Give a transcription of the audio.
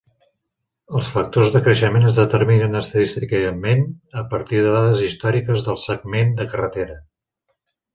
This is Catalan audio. Els factors de creixement es determinen estadísticament a partir de dades històriques del segment de carretera.